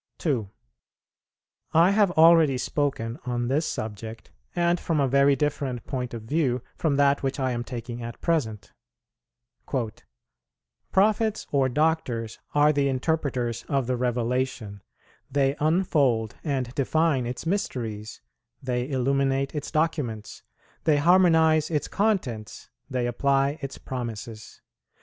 2. I have already spoken on this subject, and from a very different point of view from that which I am taking at present: "Prophets or Doctors are the interpreters of the revelation; they unfold and define its mysteries, they illuminate its documents, they harmonize its contents, they apply its promises.